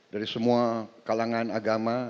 dari semua kalangan agama